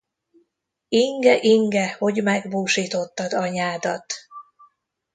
Inge, Inge, hogy megbúsítottad anyádat!